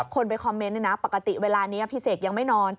คนไปคอมเมนต์เนี่ยนะปกติเวลานี้พี่เสกยังไม่นอน